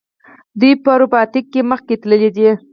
دوی په روباټیک کې مخکې تللي دي.